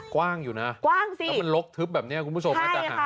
กว้างอยู่นะถ้ามันหลกทึบแหล่งเนี่ยคุณผู้ชมกว้างสิ